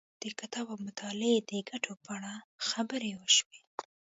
د کتاب او مطالعې د ګټو په اړه خبرې وشوې.